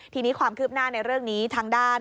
ทีนี้ความคืบหน้าในเรื่องนี้ทางด้าน